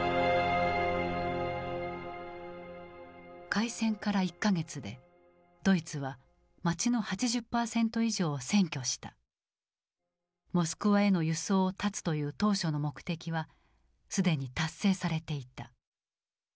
開戦から１か月でドイツは街のモスクワへの輸送を断つという当初の目的は既に達成されていた。